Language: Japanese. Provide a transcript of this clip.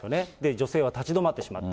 女性は立ち止まってしまった。